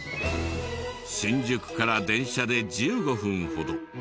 新宿から電車で１５分ほど。